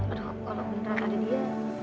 aduh kalo beneran ada dia